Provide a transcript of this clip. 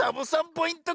ポイント